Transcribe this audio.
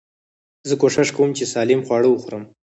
زه کوشش کوم، چي سالم خواړه وخورم.